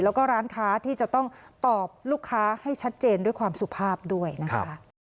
แล้วก็ร้านค้าที่จะต้องตอบลูกค้าให้ชัดเจนด้วยความสุภาพด้วยนะคะ